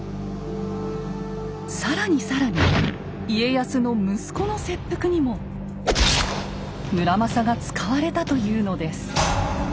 更に更に家康の息子の切腹にも村正が使われたというのです。